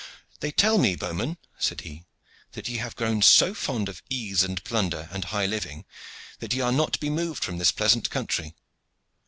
"They tell me, bowmen," said he, "that ye have grown so fond of ease and plunder and high living that ye are not to be moved from this pleasant country.